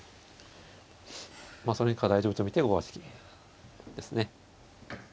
まあそれ以下大丈夫と見て５八金ですね。